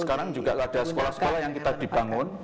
sekarang juga ada sekolah sekolah yang kita dibangun